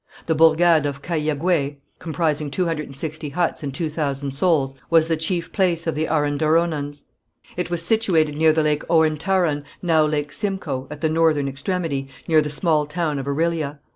The bourgade of Cahiagué, comprising two hundred and sixty huts and two thousand souls, was the chief place of the Arendarrhonons. It was situated near the lake Ouentaron, now lake Simcoe, at the northern extremity, near the small town of Orillia.